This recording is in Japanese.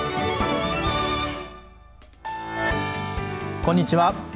こんにちは。